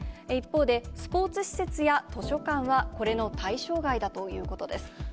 一方で、スポーツ施設や図書館はこれの対象外ということです。